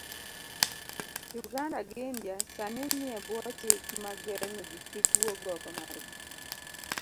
Uganda gi India sani ni ebwo chike mag geng'o jikik wuog oko margi,